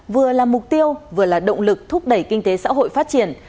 vừa là mục tiêu vừa là động lực thúc đẩy kinh tế xã hội phát triển